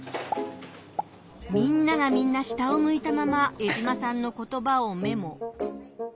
みんながみんな下を向いたまま江島さんの言葉をメモ。